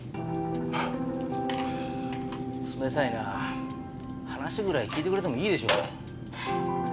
冷たいなぁ話ぐらい聞いてくれてもいいでしょ。